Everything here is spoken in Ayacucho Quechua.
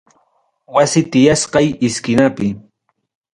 Wasi tiyasqay iskinapim.